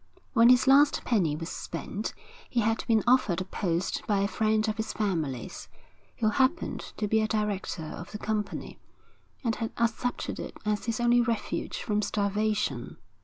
When his last penny was spent he had been offered a post by a friend of his family's, who happened to be a director of the company, and had accepted it as his only refuge from starvation.